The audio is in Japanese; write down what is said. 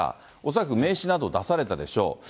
恐らく名刺など出されたでしょう。